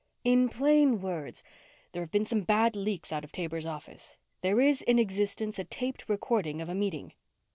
"In plain words, there have been some bad leaks out of Taber's office. There is in existence a taped recording of a meeting."